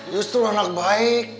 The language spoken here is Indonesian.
justru anak baik